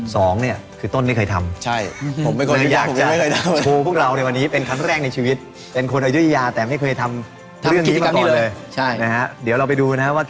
สองเนี่ยคือต้นไม่เคยทำใช่